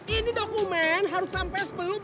ini dokumen harus sampai sebelum jam sepuluh